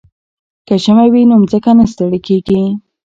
که ژمی وي نو ځمکه نه ستړې کیږي.